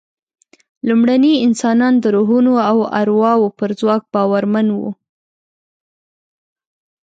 لومړني انسانان د روحونو او ارواوو پر ځواک باورمن وو.